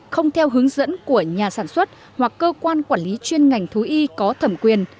không theo hướng dẫn của nhà sản xuất hoặc cơ quan quản lý chuyên ngành thú y có thẩm quyền